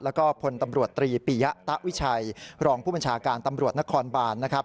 แล้วก็พลตำรวจตรีปียะตะวิชัยรองผู้บัญชาการตำรวจนครบานนะครับ